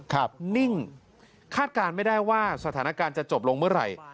นิ่งคาดการณ์ไม่ได้ว่าสถานการณ์จะจบลงเมื่อไหร่